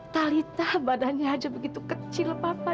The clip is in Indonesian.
talitha badannya aja begitu kecil papa